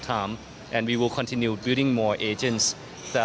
dan kami akan terus membangun agen lagi